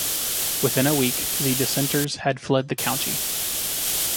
Within a week the dissenters had fled the county.